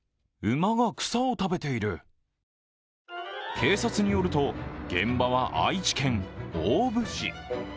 警察によると現場は愛知県大府市。